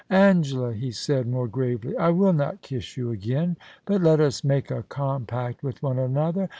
* Angela,' he said, more gravely, * I will not kiss you again, but let us make a compact with one another.